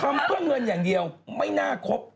ทำเพื่อเงินอย่างเดียวไม่น่าครบ